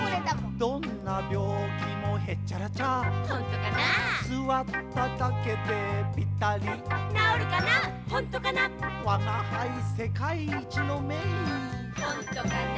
どんなびょうきもへっちゃらちゃほんとかなすわっただけでぴたりなおるかなほんとかなわがはいせかいいちのめいいほんとかな？